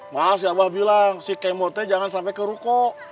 maaf si abah bilang si kemotnya jangan sampai kerukuk